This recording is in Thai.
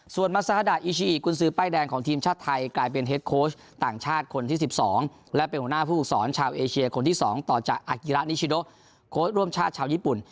ส่วนมาซาฮาดาอีชีกุญสือป้ายแดงของทีมชาติไทยกลายเป็นเฮดโค้ชต่างชาติคนที่๑๒และเป็นหัวหน้าผู้ฝึกสอนชาวเอเชียคนที่๒ต่อจากอากิระนิชิโดโค้ชร่วมชาติชาวญี่ปุ่น